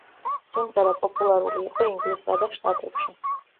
სიმღერა პოპულარული იყო ინგლისსა და შტატებში.